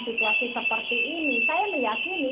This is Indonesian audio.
situasi seperti ini saya meyakini